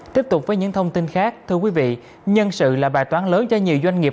tiếp tục với những thông tin khác thưa quý vị nhân sự là bài toán lớn cho nhiều doanh nghiệp